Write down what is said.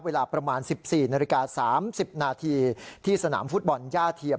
เวลาประมาณ๑๔นาฬิกา๓๐นาทีที่สนามฟุตบอลย่าเทียม